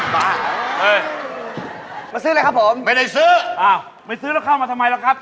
เข้าซื้ออะไรครับผมไม่ได้ซื้อไม่ซื้อแล้วเข้ามาทำไมล่ะครับ